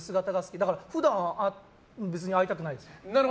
だから普段は別に会いたくないですよ。